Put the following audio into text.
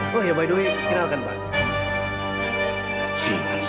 terima kasih banyak